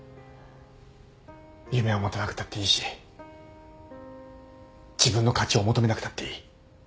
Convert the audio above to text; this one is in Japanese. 夢を持たなくたっていいし自分の価値を求めなくたっていい。